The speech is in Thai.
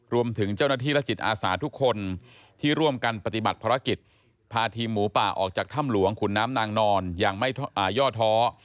รวมถึงเจ้าหน้าที่และจิตอาสาทุกคนที่ร่วมกันปฏิบัติภารกิจพาทีมหมูป่าออกจากถ้ำหลวงขุนน้ำนางนอนอย่างไม่ย่อท้อ